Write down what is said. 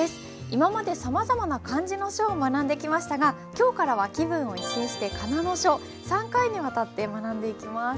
今までさまざまな漢字の書を学んできましたが今日からは気分を一新して３回にわたって学んでいきます。